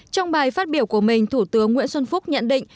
trong bài phát biểu của mình thủ tướng nguyễn xuân phúc nhận định